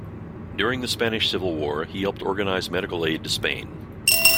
During the Spanish Civil War he helped organise medical aid to Spain.